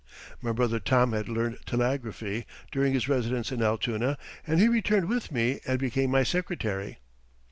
My brother Tom had learned telegraphy during his residence in Altoona and he returned with me and became my secretary.